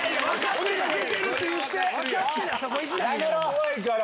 怖いから。